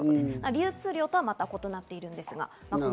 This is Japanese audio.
流通量とは異なっています。